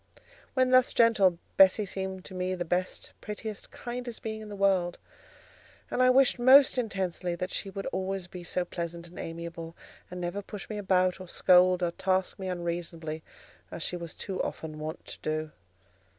When thus gentle, Bessie seemed to me the best, prettiest, kindest being in the world; and I wished most intensely that she would always be so pleasant and amiable, and never push me about, or scold, or task me unreasonably, as she was too often wont to do.